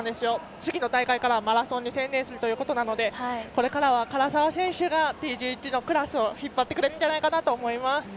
次の大会からはマラソンに専念するということなのでこれからは唐澤選手がＴ１１のクラスを引っ張っていってくれるんじゃないかなと思います。